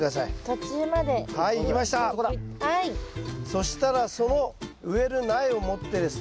そしたらその植える苗を持ってですね